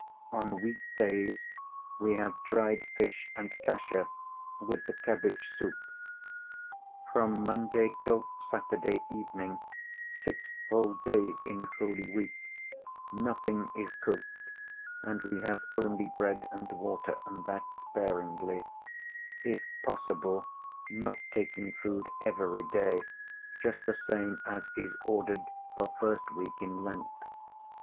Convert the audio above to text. On weekdays we have dried fish and kasha with the cabbage soup. From Monday till Saturday evening, six whole days in Holy Week, nothing is cooked, and we have only bread and water, and that sparingly; if possible not taking food every day, just the same as is ordered for first week in Lent.